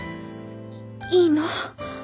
いいの？